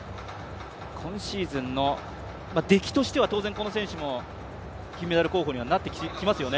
今シーズンの出来としては当然この選手も金メダル候補になってきますよね。